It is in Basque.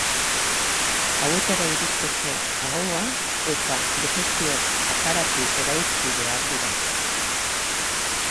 Hauetara iristeko ahoa eta digestio aparatu erauzi behar dira.